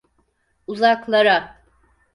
Uzaklara.